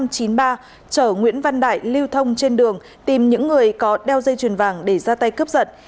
chở nguyễn văn đại lưu thông trên đường tìm những người có đeo dây chuyền vàng để ra tay cướp giật